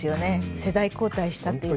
世代交代したというか。